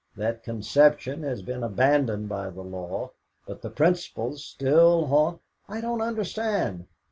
That conception has been abandoned by the law, but the principles still haunt " "I don't understand."